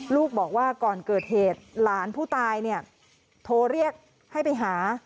ลูกบอกว่าก่อนเกิดเหตุหลานผู้ตายเนี่ยโทรเรียกให้ไปหา